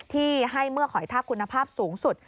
ที่ให้เมื่อหอยทากคุณภาพสูงสุด